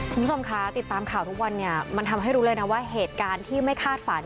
คุณผู้ชมคะติดตามข่าวทุกวันเนี่ยมันทำให้รู้เลยนะว่าเหตุการณ์ที่ไม่คาดฝัน